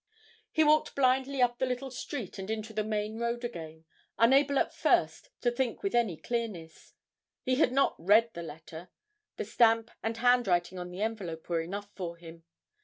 He walked blindly up the little street and into the main road again, unable at first to think with any clearness: he had not read the letter; the stamp and handwriting on the envelope were enough for him.